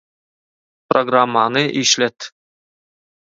Programmany işlet